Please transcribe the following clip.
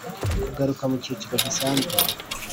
kugaruka mu cyiciro gisanzwe.